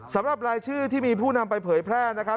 สำหรับรายชื่อที่มีผู้นำไปเผยแพร่นะครับ